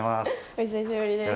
お久しぶりです。